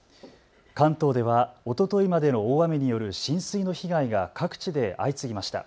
関東ではおとといまでの大雨による浸水の被害が各地で相次ぎました。